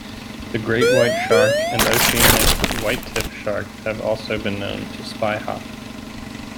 The great white shark and oceanic whitetip shark have also been known to spyhop.